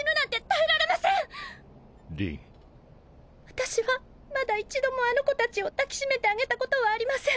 私はまだ一度もあの子達を抱きしめてあげたことはありません。